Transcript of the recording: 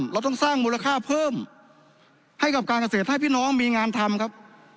เราต้องสร้างมูลค่าเพิ่มให้กับการเกษตรให้พี่น้องมีงานทำครับ